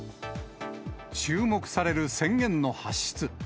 注目される宣言の発出。